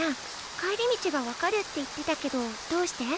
帰り道が分かるって言ってたけどどうして？